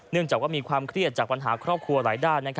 จากว่ามีความเครียดจากปัญหาครอบครัวหลายด้าน